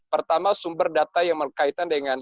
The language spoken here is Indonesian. pertama sumber data yang berkaitan dengan